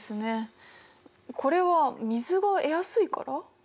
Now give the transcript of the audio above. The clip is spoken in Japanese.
これは水が得やすいから？